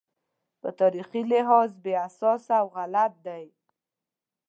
په تاریخي لحاظ بې اساسه او غلط دی.